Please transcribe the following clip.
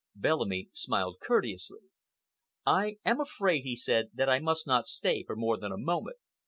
Bellamy smiled courteously. "I am afraid," he said, "that I must not stay for more than a moment.